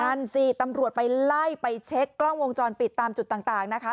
นั่นสิตำรวจไปไล่ไปเช็คกล้องวงจรปิดตามจุดต่างนะคะ